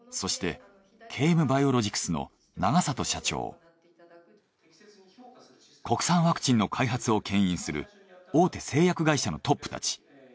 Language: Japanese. そして国産ワクチンの開発をけん引する大手製薬会社のトップたち。